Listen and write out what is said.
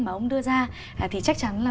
mà ông đưa ra thì chắc chắn là